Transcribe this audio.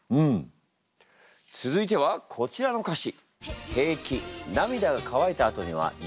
続いてはこちらの歌詞。